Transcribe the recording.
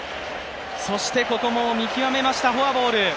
ここも見極めました、フォアボール。